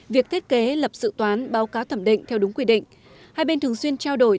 việc thiết kế lập dự toán báo cáo thẩm định theo đúng quy định hai bên thường xuyên trao đổi